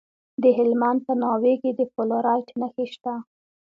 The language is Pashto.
د هلمند په ناوې کې د فلورایټ نښې شته.